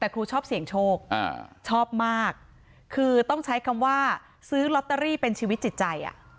แต่ครูชอบเสี่ยงโชคชอบมากคือต้องใช้คำว่าซื้อลอตเตอรี่เป็นชีวิตจิตใจ